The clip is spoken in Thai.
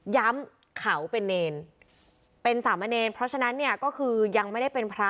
ย้ำเขาเป็นเนรเป็นสามเณรเพราะฉะนั้นเนี่ยก็คือยังไม่ได้เป็นพระ